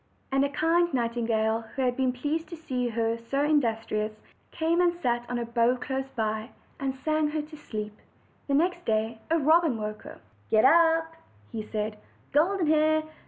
And a kind nightingale, who had been pleased to see her so industrious, came and sat on a bough close by, and sang her to sleep. The next day a robin woke her. "Get up," he said, "Golden Hair.